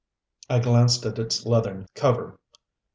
I glanced at its leathern cover.